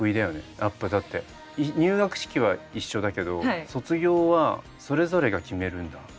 やっぱだって入学式は一緒だけど卒業はそれぞれが決めるんだ？